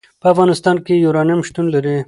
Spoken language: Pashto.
په افغانستان کې یورانیم شتون لري.